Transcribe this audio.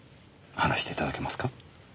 話していただけますか。